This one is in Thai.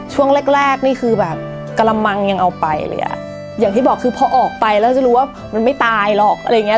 ช่วงแรกแรกนี่คือแบบกระมังยังเอาไปเลยอ่ะอย่างที่บอกคือพอออกไปแล้วจะรู้ว่ามันไม่ตายหรอกอะไรอย่างเงี้